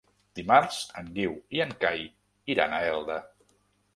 Dimarts en Guiu i en Cai iran a Elda.